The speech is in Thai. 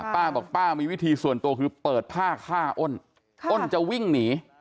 ป้าบอกป้ามีวิธีส่วนตัวคือเปิดผ้าฆ่าอ้นอ้นจะวิ่งหนี